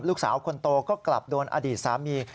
ลูกสาวคนโตก็กลับโดนอดีตสามี